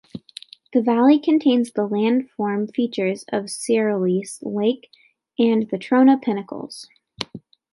The valley contains the landform features of Searles Lake and the Trona Pinnacles.